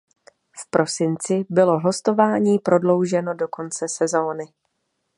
V prosinci bylo hostování prodlouženo do konce sezóny.